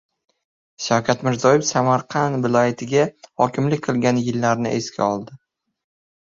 Shavkat Mirziyoyev Samarqand viloyatiga hokimlik qilgan yillarini esga oldi